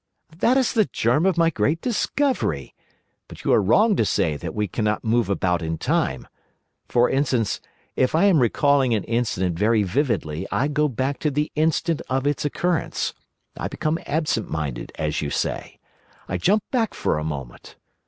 "That is the germ of my great discovery. But you are wrong to say that we cannot move about in Time. For instance, if I am recalling an incident very vividly I go back to the instant of its occurrence: I become absent minded, as you say. I jump back for a moment.